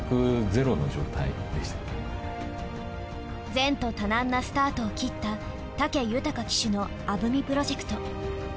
前途多難なスタートを切った武豊騎手のアブミプロジェクト。